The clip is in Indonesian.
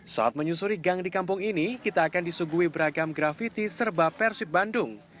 saat menyusuri gang di kampung ini kita akan disuguhi beragam grafiti serba persib bandung